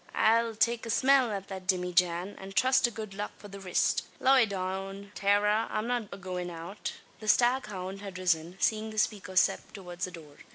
I'll take a smell at the dimmyjan, an trust to good luck for the rist. Loy down, Tara, I'm not agoin' out." The staghound had risen, seeing the speaker step towards the door.